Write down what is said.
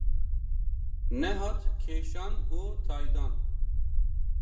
Nehat kêşan û taydan.